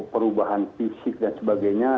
perubahan fisik dan sebagainya